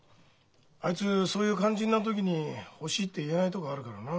あいつそういう肝心な時に欲しいって言えないとこあるからな。